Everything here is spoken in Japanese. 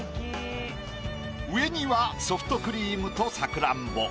上にはソフトクリームとさくらんぼ。